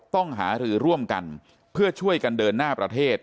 ต้องหารือร่วมกันเพื่อช่วยกันเดินหน้าประเทศ